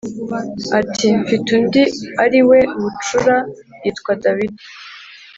ati mfite undi ari we bucura Yitwa Dawidi